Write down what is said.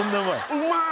うまい！